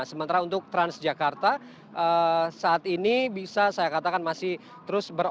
sementara untuk transjakarta saat ini bisa saya katakan masih terus beroperasi